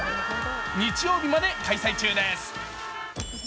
日曜日まで開催中です。